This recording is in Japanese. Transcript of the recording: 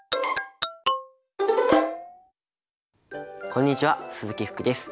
こんにちは鈴木福です。